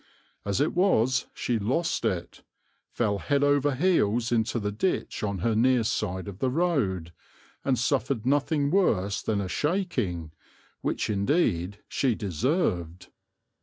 As it was she lost it, fell head over heels into the ditch on her near side of the road, and suffered nothing worse than a shaking, which, indeed, she deserved.